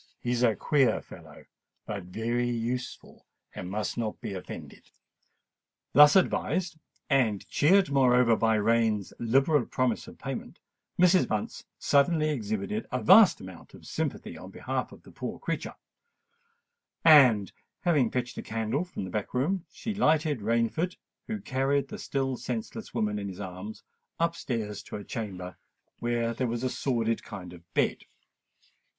He is a queer fellow, but very useful—and must not be offended." Thus advised, and cheered moreover by Rain's liberal promise of payment, Mrs. Bunce suddenly exhibited a vast amount of sympathy on behalf of the poor creature; and, having fetched a candle from the back room, she lighted Rainford, who carried the still senseless woman in his arms, up stairs to a chamber where there was a sordid kind of bed.